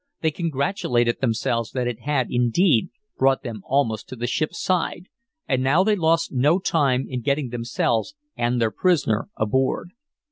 They congratulated themselves that it had, indeed, brought them almost to the ship's side, and now they lost no time in getting themselves and their prisoner aboard.